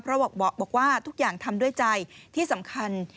เพราะบอกว่าทุกอย่างทำด้วยใจที่สำคัญ